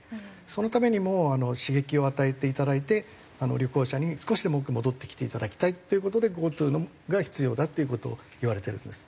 そのためにも刺激を与えていただいて旅行者に少しでも多く戻ってきていただきたいっていう事でＧｏＴｏが必要だっていう事をいわれてるんです。